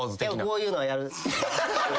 こういうのはやる。